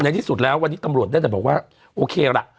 ที่สุดแล้ววันนี้ตำรวจได้แต่บอกว่าโอเคล่ะ